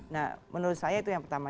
nah menurut saya itu yang pertama